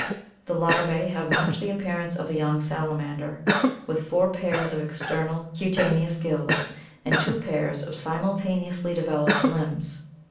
The larvae have much the appearance of a young salamander, with four pairs of external cutaneous gills and two pairs of simultaneously developed limbs.